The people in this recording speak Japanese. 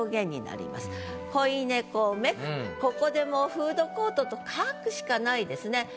ここでもう「フードコート」と書くしかないですね。